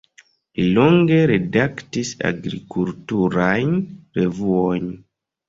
Li longe redaktis agrikulturajn revuojn.